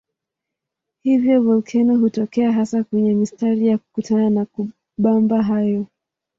Hivyo volkeno hutokea hasa kwenye mistari ya kukutana kwa mabamba hayo.